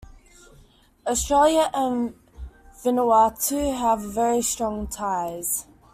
Australia and Vanuatu have very strong ties.